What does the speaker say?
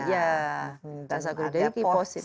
iya jasa kurir dari keep posting